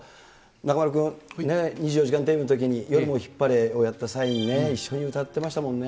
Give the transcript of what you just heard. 中丸君、２４時間テレビのときに、夜もヒッパレをやった際にね、一緒に歌ってましたもんね。